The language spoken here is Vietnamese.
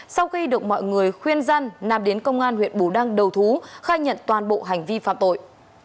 sau khi được mọi người khuyên dân nam đến công an huyện bù đăng đầu thú khai nhận toàn bộ hành vi phạm tội